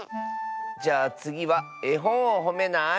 じゃあつぎはえほんをほめない？